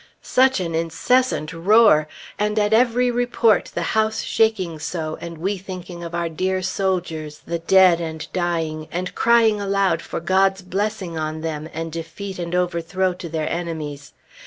Such an incessant roar! And at every report the house shaking so, and we thinking of our dear soldiers, the dead and dying, and crying aloud for God's blessing on them, and defeat and overthrow to their enemies.